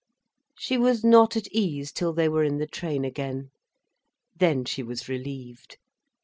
She was not at ease till they were in the train again. Then she was relieved.